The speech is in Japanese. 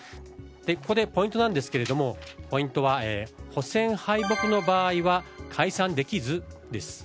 ここでポイントなんですが補選敗北の場合は解散できず、です。